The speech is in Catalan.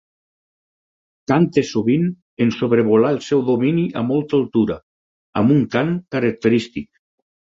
Canta sovint en sobrevolar el seu domini a molta altura, amb un cant característic.